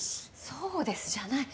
「そうです」じゃない。